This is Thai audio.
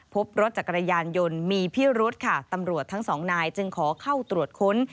พบรถจักรยานยนต์มีพิรุธค่ะตำรวจทั้งสองนายจึงขอเข้าตรวจค้น